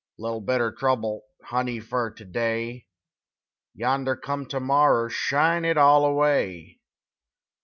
Li'l bit er trouble, Honey, fer terday; Yander come Termorrer Shine it all away!